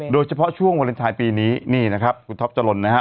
โดยเฉพาะช่วงวาเลนไทยปีนี้นี่นะครับคุณท็อปจรนนะฮะ